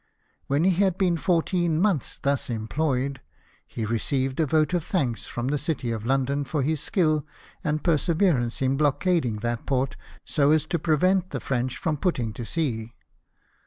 When he had been fourteen months thus employed, he received a vote of thanks from the City of London for his skill and persever ance in blockading that port so as to prevent the French from putting to sea.